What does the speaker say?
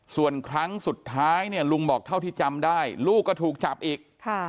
ส่วนครั้งสุดท้ายเนี่ยลุงบอกเท่าที่จำได้ลูกก็ถูกจับอีก